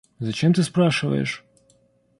Зачем ты спрашиваешь?